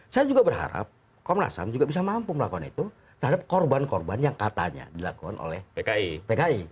saya juga berharap komnas ham juga bisa mampu melakukan itu terhadap korban korban yang katanya dilakukan oleh pki